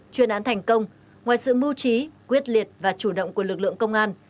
chuyên án thành công ngoài sự mưu trí quyết liệt và chủ động của lực lượng công an